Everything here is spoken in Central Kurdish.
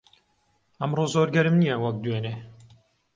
ئەمڕۆ زۆر گەرم نییە وەک دوێنێ.